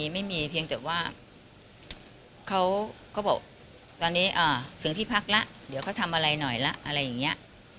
ไม่มีเพียงแต่ว่าเขาก็บอกตอนนี้ถึงที่พักแล้วเดี๋ยวเขาทำอะไรหน่อยละอะไรอย่างนี้